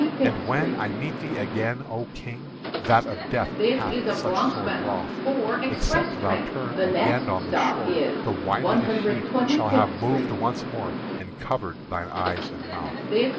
"And when I meet thee again, O King, That of death hast such sore drouth, Except thou turn again on this shore, The winding sheet shall have moved once more And covered thine eyes and mouth.